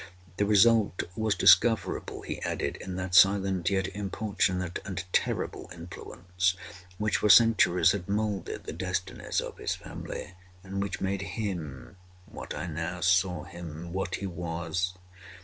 The result was discoverable, he added, in that silent, yet importunate and terrible influence which for centuries had moulded the destinies of his family, and which made him what I now saw him—what he was.